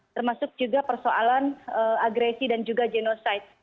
termasuk juga persoalan agresi dan juga genosite